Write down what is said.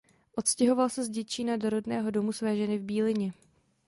Odstěhoval se z Děčína do rodného domu své ženy v Bílině.